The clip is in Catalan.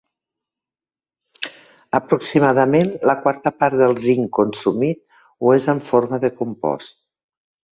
Aproximadament la quarta part del zinc consumit ho és en forma de compost.